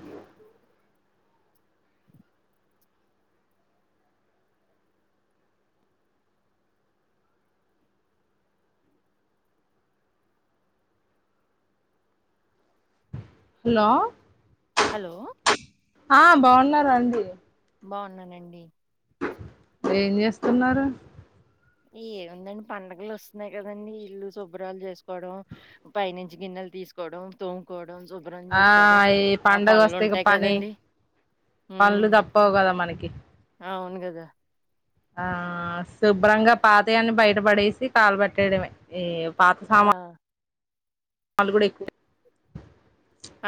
Thank you hello hello ఆ బాగున్నారా అండి బోన్నానండి ఏం చేస్తున్నారు ఏముందండి పండగ్లు వస్తున్నాయి కదండి ఇల్లు శుభ్రం చేస్కోడం పై నుంచి గిన్నెలు తీస్కోడం తొంకొడం సుబ్ ఆ ఈ పండగ వస్తే ఇగ పని కదండీ! హ్మ్. పన్లు తప్పవు కదా మనకి అవును కదా ఆ శుభ్రంగా పాతయన్ని బైటపడేసి కాల పెట్టేడమే ఈ పాత ఆ! సామా వాళ్ళు కూడా ఎకూ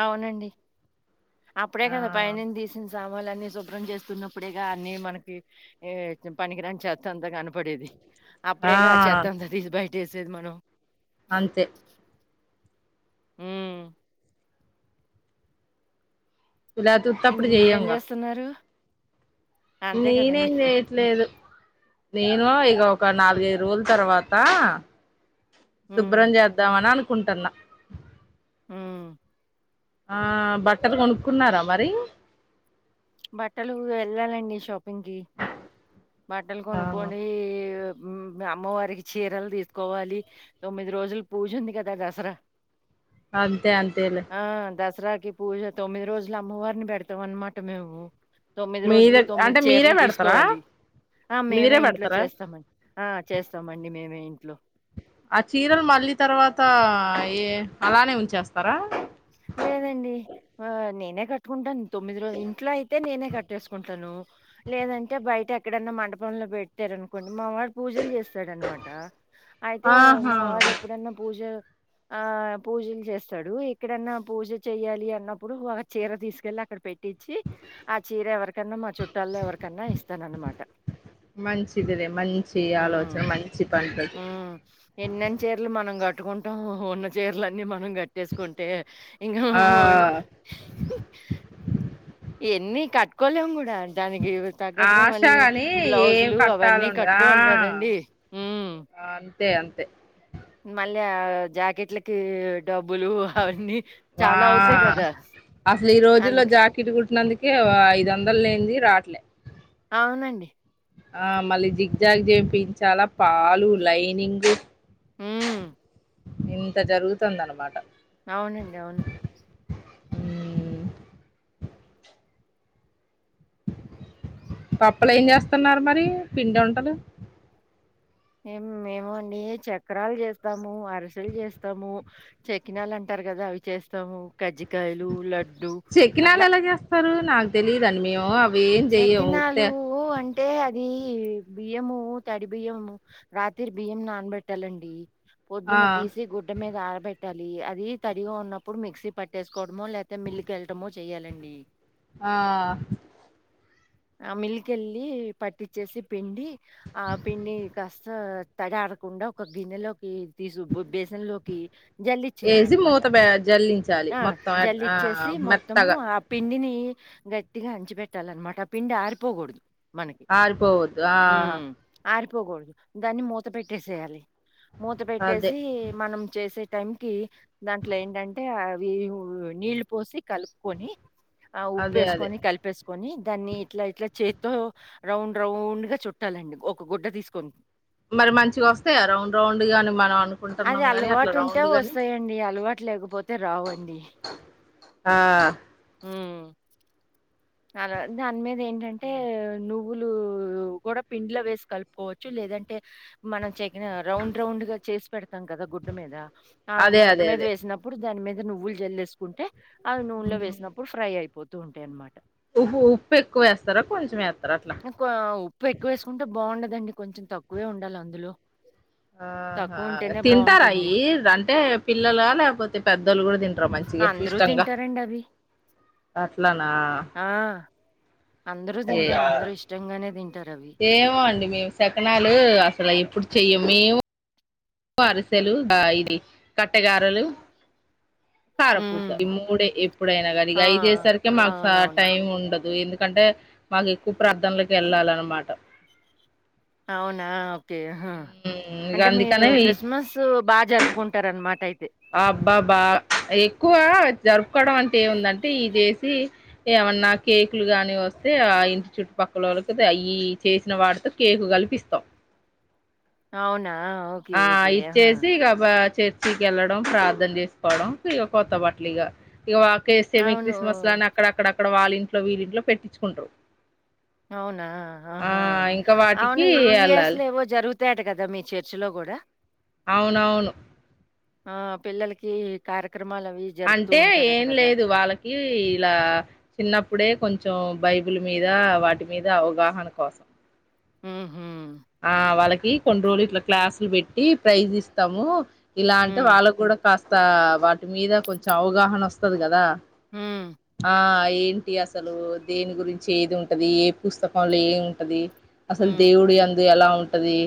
అవునండి అప్పుడే కదా పై ఆ నుండీ తీస్ సామాన్లు అన్నీ శుభ్రం చేస్తున్నప్పుడేగా అన్ని మనకి ఏ పనికిరాని చెత్త అంతా కనపడెది ఆ అప్పుడేగా చెత్తంత తీసి బైటసేది మనం అంతే మ్ ఇలా ఇ ఉత్తప్పుడు మీరేం చెయ్యంగా చేసున్నారు నేనేం జెయ్ లేదు నేను ఇగ ఒక నాలుగైదు రోల్ తర్వాత హ్మ్. శుభ్రం చేద్దామని అనుకుంటన్నా ఉ ఆ బట్టలు కొనుక్కున్నారా మరి బట్టలు వెళ్ళాలండి షాపింగ్కి ఆ బట్టల్కొన్కొని అమ్మవారికి చీరలు తీసుకోవాలి తొమ్మిది రోజులు పూజ ఉంది కదా దసరా అంతే అంతేలే ఆ దస్రాకి పూజ తొమ్మిది రోజులు అమ్మవారిని పెడతాం అన్నమాట మేము తొమ్మిది మీ రోజులు దగ్ తొమ్మిది అంటే మీరే చీరలు పెడతారా తీస్కోవాలి ఆ మీరే మేమే ఇంట్లో పెడతారా చేస్తామండి ఆ చేస్తామండి మేమే ఇంట్లో ఆ చీరలు మళ్ళీ తర్వాత ఏ అలానే ఉంచేస్తారా లేదేండి ఆ నేనే కట్టుకుంటాను తొమ్మిది రోల్ ఇంట్లో అయితే నేనే కట్టేసుకుంటాను లేదంటే బయట ఎక్కడన్నా మండపంలో పెట్టారాన్కోండి మా వాడ్ పూజలు చేస్తాడాన్మాట అయితే ఆహా మా వాడు ఎప్పుడన్నా పూజ ఆ పూజలు చేస్తాడు ఎక్కడన్నా పూజ చెయాలి అన్నప్పుడు ఒక చీర తీసుకెళ్లి అక్కడ పెట్టించి ఆ చీర ఎవరికన్నా మా చుట్టల్లో ఎవరికన్నా ఇస్తానానమ్మట మంచిదిలే మంచి ఆలోచన మంచి పంనాది ఎన్నన్ని చీరలు మనం కట్టుకుంటాము ఉన్న చీరలన్ని మనం కట్టేసుకుంటే ఇకా ఆ ఎన్ని కట్టుకోలేము కూడా దానికి తగ్గట్టుగా ఆశ మళ్ళీ కాని ఏం బ్లౌజులు అవన్నీ కట్టాలుండదు కట్టుకోవాలి ఆ కదండి అంతే అంతే మళ్ళీ ఆ జాకెట్లకి డబ్బులు అవన్నీ చాలా అవుతాయి్ కదా అసాల్ ఈ రోజుల్లో జాకెట్ కుట్టినందుకే ఐదు వందలు లేనింది రాట్లే అవునండి ఆ మళ్ళీ జిగ్ జాగ్ చేపిచాలా పాలు లైనింగ్ హ్మ్. ఇంత జరుగుతుంద అనమాట అవునండి అవును కప్పులు ఏం చేస్తున్నారు మరి పిండి ఉండదు ఏం మేము అండి చక్రాలు చేస్తాము అరిసెలు జేస్తాము చెకినాలు అంటారు కదా అవి చేస్తాము కజ్జికాయలు లడ్డు అట్లా చెక్కినాళ్ళ ఎలా చేస్తారు నాకు తెలిదున్ని మేము అవి ఏం చెయ్యము వతే చకినాలు అంటే అది బియ్యము తడి బియ్యము రాత్రి బియ్యం నానబెట్టాలండి ఆ పొద్దున్న తీసి గుట్ డ మీద ఆరబెట్టాలి అది తడిగా ఉన్నప్పుడు మిక్సీ పట్టేసుకోవడమో లేకతే మిల్క్ ఎల్టమో చెయ్యాలండి ఆ ఆ మిల్కెల్లి పట్టించేసి పిండి ఆ పిండి కాస్త తడీ ఆరకుండా ఒక గిన్నెలోకి తీసు బేసన్లోకి జల్లిచ్చేయాలన్నమాట జల్లించా ఆ జల్లిచ్చేసి మొత్తము ఆ పిండిని గట్టిగా అంచిపెట్టాలన్నమాట ఆ పిండి ఆరిపోకూడదు మనకి ఆరిపోవద్దు ఆ ఉ ఆరిపోకూడదు దాన్ని మూత పెట్టేసేయాలి మూత అదే పెట్టేసి మనం చేసే టైంకి దాంట్లో ఏంటంటే అవి నీళ్లు పోసి కలుపుకొని ఆ ఉప్పు అదే అదే వేసుకొని కలిపేసు కని దాన్ని ఇట్లా ఇట్లా చేత్తో రౌండ్ రౌండ్ గా చుట్టాలండి ఒక గుడ్డ తీసుకొని మరి మంచిగా వస్తాయా రౌండ్ రౌండ్ గాని మనం అను అది అలవాటు ఉంటే వస్తాయండి అలవాటు లేకపోతే రావండి ఆ హ్మ్. అలా దాని మీద ఏంటంటే నువ్వులు కూడా పిండ్లో వేసి కలుపుకోవచ్చు లేదంటే మనం చెకిన రౌండ్ రౌండ్గా చేసి పెడత వస్తాం కదా గుడ్డ మీద ఆ అదే గుడ్డ అదే మీద అదే వేసినప్పుడు దాని మీద నువ్వులు జల్ వేసుకుంటే అవి నూనెలో వేసినప్పుడు ఫ్రై అయిపోతూ ఉంటాయి అనమాట ఉహ ఉప్పు ఎక్కువ వేస్తారా కొంచెం వేత్తరా అట్లా ఉప్పు ఎక్కువ వేసుకుంటే బాగుండదండి కొంచెం తక్కువే ఉండాలి అందులో ఆహా తక్కువుంటేనే తింటారా బావుంటుంది. ఈయి అంటే పిల్లల లేకపోతే పెద్దోళ్ళు కూడా తిం మంచిగా అందరూ ఇష్టంగా తింటారండి అవి. అట్లనా ఆ అందరూ ఏ తింటారు అందరూ ఇష్టంగానే తింటారు అవి ఏమో అండి మేము సెకలాలు అసలు ఎప్పుడు చెయ్యము అరిసెలు ఇది కట్టెగారెలు కారపూస హ్మ్. ఈ మూడే ఎప్పుడైనా కానీ ఆ! ఇక అఐదేయేసరికి మాకు అవునవును. టైం ఉండదు ఎందుకంటే మాకు ఎక్కువ ప్రార్థనలకి వెళ్ళాలనమాట అవునా ఓకే హ హ్మ్. ఇగ అంటే మీరు అందుకనే ఈ క్రిస్మస్ బాగ జరుపుకుంటార అనమాట అయితే అబ్బాబా ఎక్కువ జరుపుకోవడం అంటే ఏముందంటే ఇ చేసి ఏమన్నా కేకులు గాని వస్తే ఆ ఇన్స్టిట్యూట్ పక్కలోళ్ళకి అయి చేసిన వాట్ కేకు గలిపి ఇస్తాం అవునా! ఓకే. ఆ ఓకే. ఆహా! ఇచ్చేసి ఇకబా చే వెళ్లడం ప్రార్థన చేసుకోవడం ఇక కొత్త బట్టలు ఇగ ఇక వాకేస్తేమి అవును. క్రిస్మస్ లాని అక్కడ అక్కడక్కడ వాళ్ళ ఇంట్లో, వీళ్ళ ఇంట్లో పెట్టించుకుంటారు. అవునా అహా ఇంక వాటికి అవును ఇవిఎస్ యెళ్ళాలి. లే జరుగుతాయంట కదా మీ చర్చిలో కూడా అవును అవును ఆ పిల్లలకి కార్యక్రమాలు అవి అంటే ఏం లేదు వాళ్ళకి ఇలా చిన్నప్పుడే కొంచెం బైబిల్ మీద, వాటి మీద అవగాహన కోసం ఊహు ఆ వాళ్ళకి కొన్ని రోజులు ఇట్లా క్లాసులు పెట్టి ప్రైజ్ ఇస్తాము. ఇలా అంటే హ్మ్. వాళ్ళ కూడా కాస్త వాటి మీద కొంచెం అవగాహన వస్తది కదా హ్మ్. ఆయిన్ అసలు దేని గురించి ఏది ఉంటది, ఏ పుస్తకంలో ఏం ఉంటది అసలు హ్మ్. దేవుడు అ ఎలా ఉంటది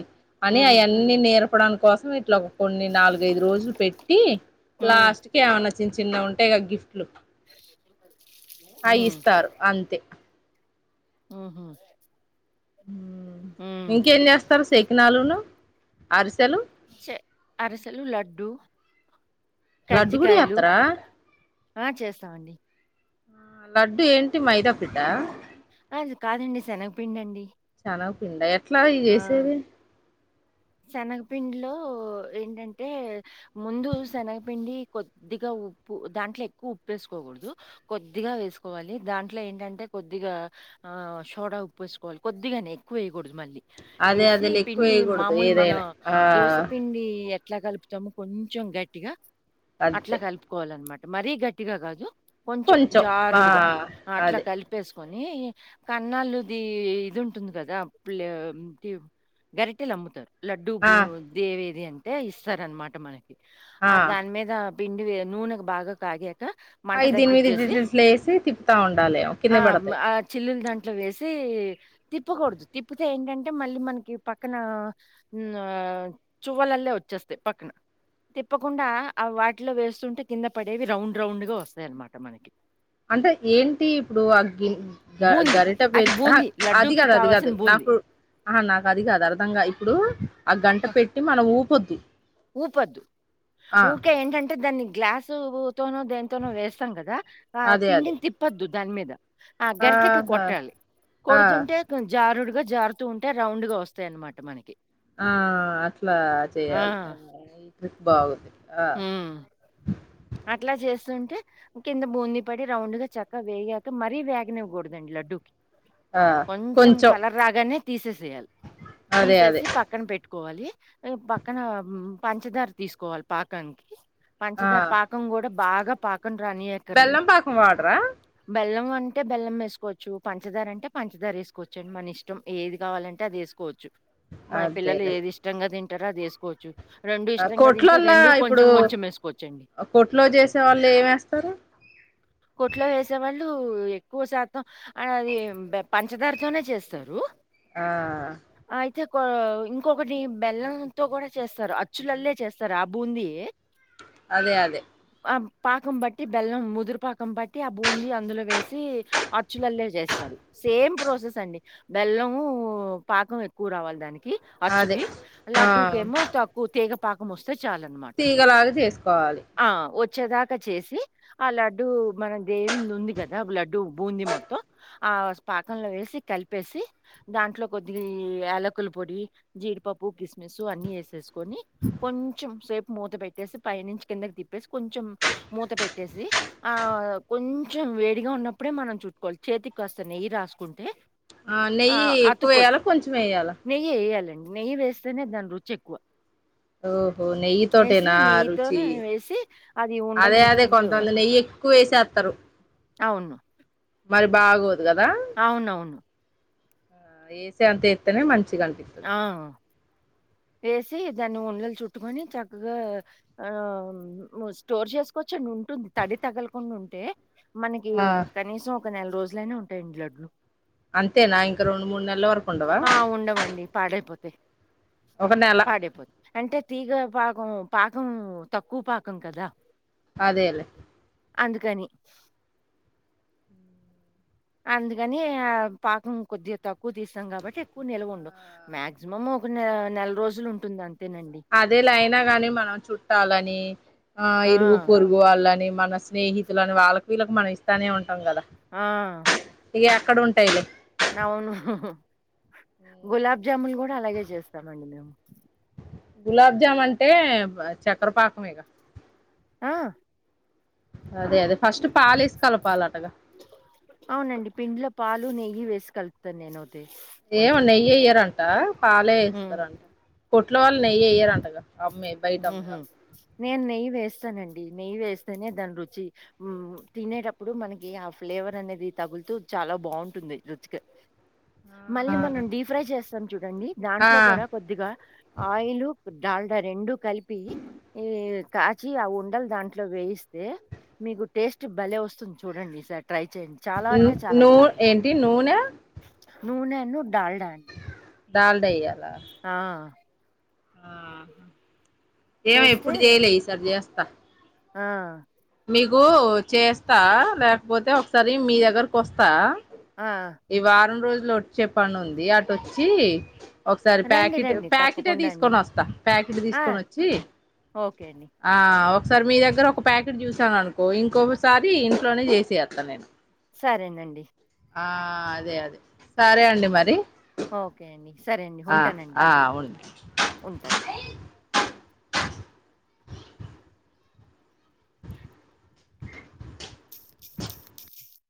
అని హ్మ్. అయన్నీ నేర్పడా కోసం ఇట్లా కొన్ని నాలుగైదు రోజులు పెట్టి హ్మ్. లాస్ట్ కి ఏమన్నా చిన్న చిన్న ఉంటయి గా గిఫ్ట్లు ఇద్దరం కాదు హలో అ ఇస్తారు అంతే ఉహు ఇంకేం చేస్తాం శకినాలును, అరిసెలు చె అరిసెలు, లడ్డూ, లడ్డు కూడా కజ్జికాయలు చేత్తరా ఆ చేస్తామండి లడ్డు ఏంటి మైదాపీండా? అది కాదండి శనగపిండి అండి చనగా పిండా ఎట్లా ఇది చేసేది? శనగపిండిలో ఏంటంటే? ముందు శనగపిండి కొద్దిగా ఉప్పు దాంట్లో ఎక్కువ ఉప్పు వేసుకోకూడదు. కొద్దిగా వేసుకోవాలి దాంట్లో ఏంటంటే కొద్దిగా ఆ షోడ, ఉప్పు వేసుకోవాలి కొద్దిగానే ఎక్కువ వేయకూడదు మళ్ళీ అదే వేసి అదేలే ఎక్కువ పిండి వేయకూడదు అముల్ మన ఏదైనా ఆ దోశపిం డి ఎట్లా కలుపుతాము కొంచెం గట్టిగా అట్లా అంతే కలుపు కోలనమాట మరీ గట్టిగా కాదు కొంచెం జారుడుగా అట్లా అదే కలిపి ఉప్పెసుకొని కన్నాళ్ళుది ఇది ఉంటుంది కదా ప్లేవ్త్యు టెల్ అమ్ముతారు లడ్డుూ ఆ బూ దేవేది అంటే ఇస్తార అనమాట మనకి ఆ దాని మీద పిండి వి నూనె కు బాగా కాగాక మంట ఐ దీని మీద తగ్గిచ్చేసి డీటెల్స్ లో వేసి తిప్పుతా ఉండాలి కింద ఆ! హ్మ్. పడతాయి. ఆ చిల్లులు దాంట్లో వేసి తిప్పకూడదు తిప్పతే ఏంటంటే మళ్ళీ మనకి ప క్కన ను చువలలే వచ్చేస్తాయి పక్కన తిప్పకుండా ఆ వాటిలో వేస్తుంటే కింద పడేవి రౌండ్ రౌండ్ గా వస్తాయి అనమాట మనకి అంటే ఏంటి ఇప్పుడు ఆగ్గి గ బూంది, గరిట అది పెట్ అ బూంది అది లడ్డూకి కాదు అది కాదు కావాల్సిన బూంది. నాకు ఆహ నాకు అది కాదు అర్ధంగా ఇప్పుడు ఆ గంట పెట్టి మనం ఊపొద్దు. ఊపద్దు ఆ ఊకే ఏంటంటే దాన్ని గ్లాసు ఊతోనో దేని తోను వేస్తాం కదా ఆ అదే అదే పిండిని తిప్పద్దు దాని మీద ఆ గరిటకి ఆహా కొట్టాలి ఆ కొడుతుంటే జారుడుగా జారుతూ ఉంటే రౌండ్ గ వస్తాయి అన్మాట మనకి. ఆ అట్లా ఆ! చేయాలి ఈ ట్రిక్ బాగుంది ఆ హ్మ్. అట్లా చేస్తుంటే కింద బూందీ పడి రౌండ్ గ చక్కగా వేగాక మరీ వేగనివ్వకూడదండి లడ్డూకి ఆ కొంచెం కలర్ రాగానే తీసేసేయాలి అదే అదే తీసేసి పక్ కన్ పెట్టుకోవాలి, ఆ పక్కన పంచదార తీసుకోవాలి పాకానికి ఆ పంచదార పాకం కూడ బాగ పాకం బెల్లం రానీయనక్కర్లేదు. పాకం వాడరా బెల్లం అంటే బెల్లం ఏసుకోవచ్చు. పంచదార అంటే పంచదార ఏసుకోవచ్చు అండి మనిష్టం. ఏది కావాలంటే అది ఏసు కోచ్చు మన పిల్లలు అదేలే ఏది ఇష్టంగా తింటరో అది ఏసుకోవచ్చు రెండు ఇష్టంగా తి లా ఇప్పుడు కొట్లో చేసే వాళ్ళు ఏమేస్తరు? కొట్లో ఏసేవాళ్ళు ఎక్కువ శాతం అ అది బ పంచదారతోనే చేస్తారు. ఆ అయితే కో ఇంకొకటి బెల్లంతో కూడ చేస్తారు. అచ్చులల్లే చేస్ స రా బూందీ ఏ. అదే అ ఆ పాకం బట్టి బెల్లం ముదురుపాకం బట్టి ఆ బూంది అందులో వేసి అచ్చులలే చేస్తరు, సేమ్ ప్రాసెస్ అండి. బెల్లం పాకం ఎక్కువ రావాలి దాని కి అదే అచ్చుకి ఆ లడ్డూకేమో తక్కు తీగ పాక్ మోస్తే చాల్ అన్మాట తీగలాగా చేసుకోవాలి ఆ వచ్చేదాక చేసి ఆ లడ్డు మన దేవిన్ ఉంది కదా లడ్డుూ బూంది మొత్తం ఆ స్ పాకంలో వేసి కలిపేసి దాంట్లో కొద్దిగా ఈ ఏలకుల పొడి, జీడిపప్పు, కిస్మిసు, అన్ని ఏసేసుకొని కొంచెం సేపు మూత పెట్టేసి, పైనుంచి కిందకి తిప్పేసి, కొంచెం మూత పెట్టేసి ఆ కొంచెం వేడిగా ఉన్నప్పుడే మనం చుట్టుకోవాలి, చేతికి కాస్త నెయ్యి రాసుకుంటే ఆ నెయ్యి ఎక్కువేయ్యలా కొంచెం ఏయాలా? నెయ్యి ఏయాలండి నెయ్యి ఎస్తేనే దాని రుచి ఎక్కువ ఓహో నెయ్యి తోటేనా రుచి, నెయ్యితోనే వేసి, అది ఉండలు అదే అదే చుట్టుకుంటూ కొంతంది ఇవ్వాలి. నెయ్యి క్కువ ఏసేతరు అవును మరి బాగోదు కదా అవునవును ఆ ఏసేంత ఏతేనే మంచిగ అన్పి ఆ ఏసీ దాన్ని ఉండలు చుట్టుకొని చక్కగా ఆ స్టోర్ ఉ ముస్ చేసుకొచ్చండి ఉంటుంది తడి తగలకుండుంటే. మనకి ఆ ఒక కనీసం ఒక నెల్ రోజులైనా ఉంటాయండి లడ్లు. అంతేనా ఇంక రెండు మూడు నెల్ల వరకు ఉండవా ఆ ఉండవండి పాడైపోతయి. ఒక నెల పాడైపో అంటే తీగ పాకం పాకం తక్కువ పాకం కదా అదేలే అందుకని అందుకని ఆ పాకం కొద్దిగ తక్కువ తీసాం కాబట్టి ఎక్కువ నిల్వ ఉండవ్. మాక్సిమం ఒక నే నెల రోజులు ఉంటుంది అంతేనండి. అదేలయిన గాని మనం చుట్టాలని ఆ ఇరుగు పొరు గు వాళ్ళని మన స్నేహితులని వాళ్ళకి వీళ్ళకి మనం ఇస్తానే ఉంటాం కద ఆ ఇగ ఎక్కడ ఉంటయి లే అవును గులాబ్ జాములు కూడ అలాగే చేస్తామండి మేము గులాబ్జామ్ అంటే చెక్కర పాకమేగా ఆ అదే అదే ఫస్ట్ పాలేసి కలపాలటగా అవునండి పిండ్లో పాలు నెయ్యి వేసి కలుపుతను నేనవుతే ఏమో నెయ్యి ఎయ్యారంట పాలే హ్మ్ ఏస్తరంట కొట్ల వాళ్ళు నెయ్యి ఎయ్యరంటగా అమ్మే బయట అమ్మే ఊహు వాళ్ళు నేను నెయ్యి వేస్తనండి నెయ్యి వేస్తేనే దాని రుచి ఊమ్ తినేటప్పుడు మనకి ఆ ఫ్లేవర్ అనేది తగుల్తూ చాలా బాగుంటుంది రుచికి మళ్ళీ ఆ మనం డీప్ ఫ్రై చేస్తాం చూడండి దాంట్లో కూడ ఆ కొద్దిగా ఆయిలు డాల్డా రెండు కలిపి ఈ కాచి ఆ ఉండలు దాంట్లో వేయిస్తే మీకు టేస్ట్ భలే వస్తుంది చూడండి ఈ సారి ట్రై చేయండి చాలా అంటే ను- చాలా నూ- బాగుంటుంది ఏంటి నూనె నూనె ఉన్ను డాల్డా అండి డాల్డా ఎయ్యాలా ఆ ఆహ ఏమో వేస్తే ఎప్పుడు చేయలే ఈసారి చేస్త ఆ మీకు చేస్తా లేకపోతే ఒకసారి మీ దగ్గరకు ఒస్తా ఆ ఈ వారం రోజులు వచ్చే పని ఉంది అటుొచ్చి ఒకసారి రండి ప్యాకెట్ రండి ప్యాకెటే తప్పకుండా అండి తీసుకొని వస్తా ప్యాకెట్ ఆ తీస్కొని ఒచ్చి ఓకే అండి ఆ ఒకసారి మీ దగ్గర ఒక ప్యాకెట్ చూసాను అనుకో ఇంకొకసారి ఇంట్లోనే చేసేస్తాను నేను సరేనండి ఆ అదే అదే సరే అండి మరి ఓకే అండి సరే అండి ఆ ఉంటానండి ఆ ఉండు ఉంటాను